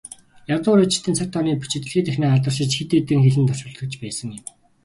Ядуу Ричардын цаг тооны бичиг дэлхий дахинаа алдаршиж, хэд хэдэн хэлэнд орчуулагдаж байсан юм.